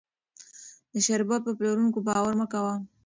د شربت په پلورونکو باور مه کوئ.